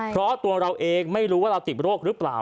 เพราะตัวเราเองไม่รู้ว่าเราติดโรคหรือเปล่า